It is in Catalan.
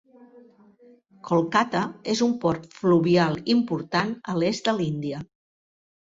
Kolkata és un port fluvial important a l"est de l"Índia.